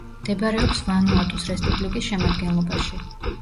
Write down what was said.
მდებარეობს ვანუატუს რესპუბლიკის შემადგენლობაში.